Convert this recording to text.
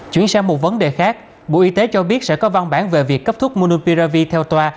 chuyển sang một vấn đề khác bộ y tế cho biết sẽ có văn bản về việc cấp thuốc munopirvi theo toa